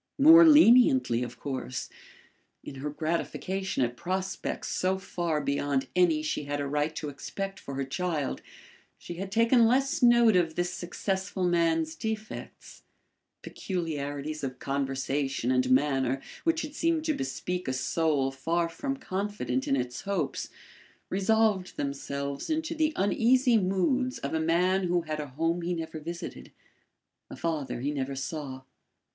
More leniently of course. In her gratification at prospects so far beyond any she had a right to expect for her child, she had taken less note of this successful man's defects. Peculiarities of conversation and manner which had seemed to bespeak a soul far from confident in its hopes, resolved themselves into the uneasy moods of a man who had a home he never visited, a father he never saw.